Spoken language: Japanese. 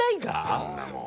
あんなもん。